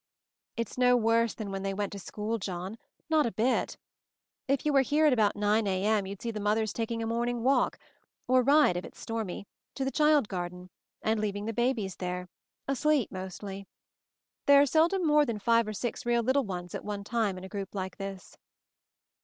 "It's no worse than when they went to school, John, not a bit. If you were here at about 9 A. M., you'd see the mothers taking a morning walk, or ride if it's stormy, to the child garden, and leaving the babies there, asleep mostly. There are seldom more than five or six real little ones at one time in a group like this."